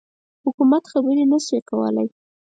حکومت خبري نه شي کولای.